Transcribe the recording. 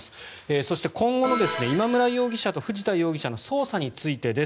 そして、今後の今村容疑者と藤田容疑者の捜査についてです。